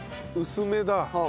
薄めだ。